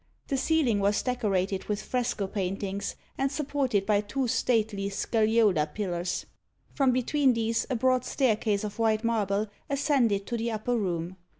The ceiling was decorated with fresco paintings, and supported by two stately scagliola pillars. From between these, a broad staircase of white marble ascended to the upper room.